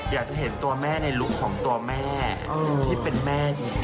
อยากจะเห็นตัวแม่ในลุคของตัวแม่ที่เป็นแม่จริง